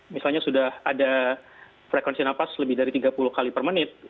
misalnya sudah ada frekuensi napas lebih dari tiga puluh kali per menit